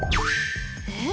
えっ！